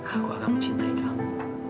aku akan mencintai kamu